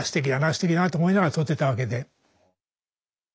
すてきだなと思いながら撮ってたわけで。